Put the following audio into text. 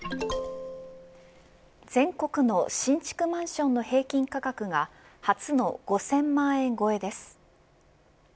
全国の新築マンションの平均価格が初の５０００万円超えです。